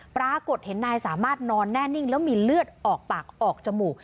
ปรากฏเห็นนายสามารถนอนแน่นิ่งแล้วมีเลือดออกปากออกจมูก